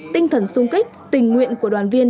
tinh thần xung kích tình nguyện của đoàn viên